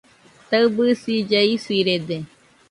Taɨbisilla isirede